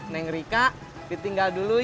neng rika ditinggal dulu ya